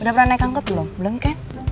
udah pernah naik angkot belum belum kan